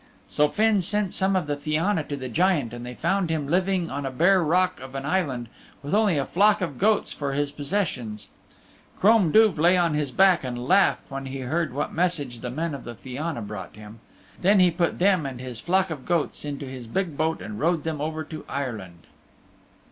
So Finn sent some of the Fianna to the Giant and they found him living on a bare rock of an island with only a flock of goats for his possessions. Crom Duv lay on his back and laughed when he heard what message the men of the Fianna brought to him. Then he put them and his flock of goats into his big boat and rowed them over to Ireland.